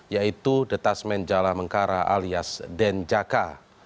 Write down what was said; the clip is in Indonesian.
yaitu the tasman jalan mengkara alias denjaka